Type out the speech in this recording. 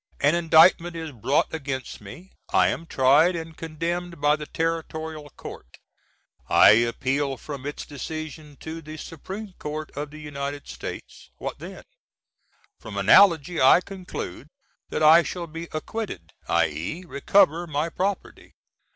An indictment is brought against me. I am tried and condemned by the territorial court. I appeal from its decision to the Sup. Court of the U.S. What then? From analogy I conclude that I shall be acquitted, i.e., recover my property.